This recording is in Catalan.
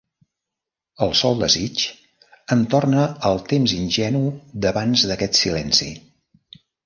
El sol desig em torna al temps ingenu d'abans d'aquest silenci.